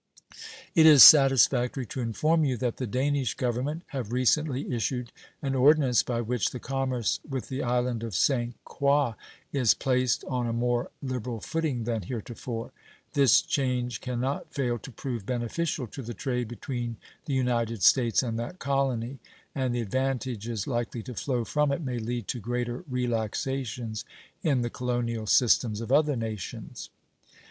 It is satisfactory to inform you that the Danish Government have recently issued an ordinance by which the commerce with the island of St. Croix is placed on a more liberal footing than heretofore. This change can not fail to prove beneficial to the trade between the United States and that colony, and the advantages likely to flow from it may lead to greater relaxations in the colonial systems of other nations.